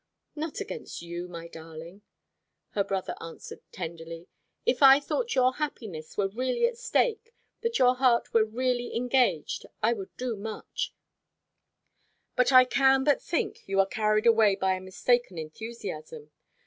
"Not against you, my darling," her brother answered tenderly. "If I thought your happiness were really at stake, that your heart were really engaged, I would do much: but I can but think you are carried away by a mistaken enthusiasm.